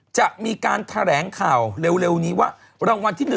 จะมีการแถลงข่าวเร็วนี้ว่า